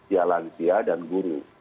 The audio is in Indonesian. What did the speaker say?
ya lansia dan guru